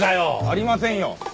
ありませんよ。